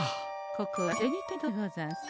ここは銭天堂でござんす。